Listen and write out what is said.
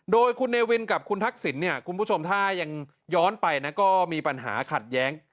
โดยคุณเนวินกับคุณทักษิณเนี่ยคุณผู้ชมถ้ายังย้อนไปนะก็มีปัญหาขัดแย้ง